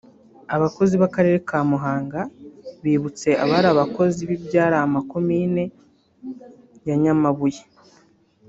Abakozi b’Akarere ka Muhanga bibutse abari abakozi bibyari amakonine ya Nyamabuye